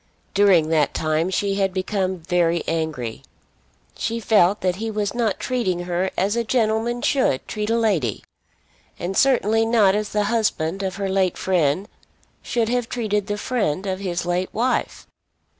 During that time she had become very angry. She felt that he was not treating her as a gentleman should treat a lady, and certainly not as the husband of her late friend should have treated the friend of his late wife.